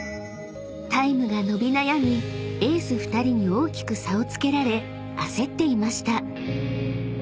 ［タイムが伸び悩みエース２人に大きく差をつけられ焦っていました］